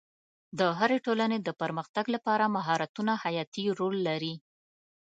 د هرې ټولنې د پرمختګ لپاره مهارتونه حیاتي رول لري.